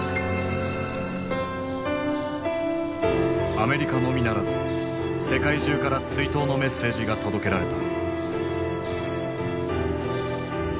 アメリカのみならず世界中から追悼のメッセージが届けられた。